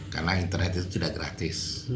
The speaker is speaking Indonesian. karena internet itu tidak gratis